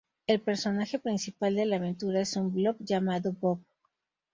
El personaje principal de la aventura es un "Blob" llamado "Bob".